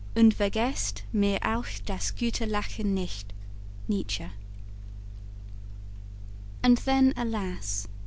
UND VERGESST MIR AUCH DAS GUTE LACHEN NICHT! NIETZSCHE And then, alas!